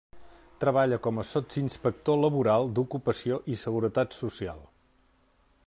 Treballa com a Sotsinspector laboral d'ocupació i seguretat social.